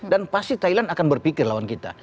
dan pasti thailand akan berpikir lawan kita